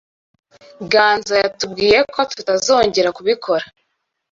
Ganza yatubwiye ko tutazongera kubikora.